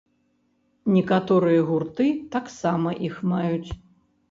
Некаторыя гурты таксама іх маюць.